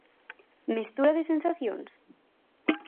Mestura de sensacións?